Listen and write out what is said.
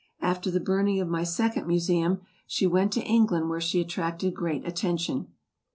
After the burning of my second Museum, she went to England where she attracted great attention.